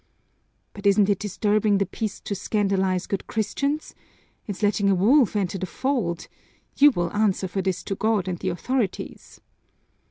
"But isn't it disturbing the peace to scandalize good Christians? It's letting a wolf enter the fold. You will answer for this to God and the authorities!"